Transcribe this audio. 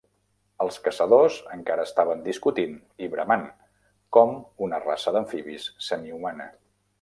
Els caçadors encara estaven discutint i bramant com una raça d'amfibis semihumana.